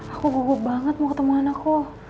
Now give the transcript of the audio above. aku gugup banget mau ketemu anakku